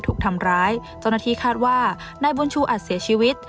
ถูกทำร้ายเจ้าหน้าที่คาดว่านายบุญชูอาจเสียชีวิต